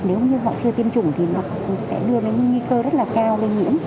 nếu như họ chưa tiêm chủng thì nó cũng sẽ đưa đến những nguy cơ rất là cao về nhiễm